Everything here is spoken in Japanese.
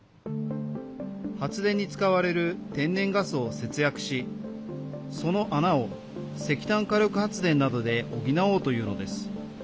発電に使われる天然ガスを節約しその穴を石炭火力発電などで補おうというのです。